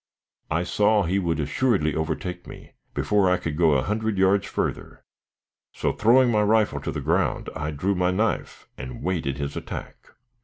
I saw he would assuredly overtake me before I could go a hundred yards further; so throwing my rifle to the ground, I drew my knife, and waited his attack.